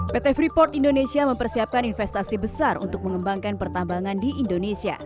pt freeport indonesia mempersiapkan investasi besar untuk mengembangkan pertambangan di indonesia